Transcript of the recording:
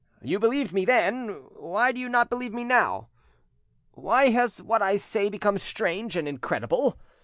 You believed me then: why do you not believe me now? Why has what I say become strange and incredible?